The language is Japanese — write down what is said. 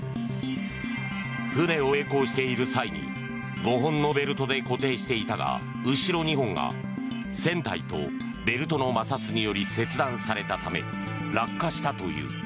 船をえい航している際に５本のベルトで固定していたが後ろ２本が船体とベルトの摩擦により切断されたため落下したという。